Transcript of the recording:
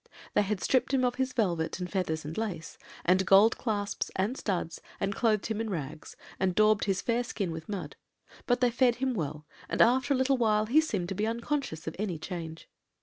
"They had stripped him of his velvet, and feathers, and lace, and gold clasps, and studs, and clothed him in rags, and daubed his fair skin with mud; but they fed him well; and after a little while he seemed to be unconscious of any change.